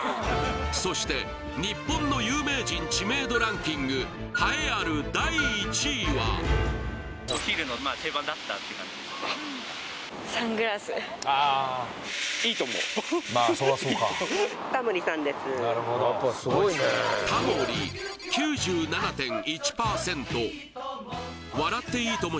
そして日本の有名人知名度ランキング栄えある第１位は「笑っていいとも！」